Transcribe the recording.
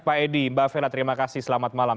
pak edi mbak vela terima kasih selamat malam